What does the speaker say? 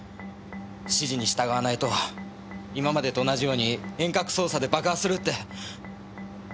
指示に従わないと今までと同じように遠隔操作で爆破する」って。